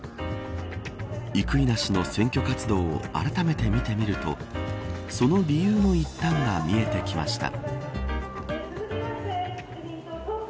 生稲氏の選挙活動をあらためて見てみるとその理由の一端が見えてきました。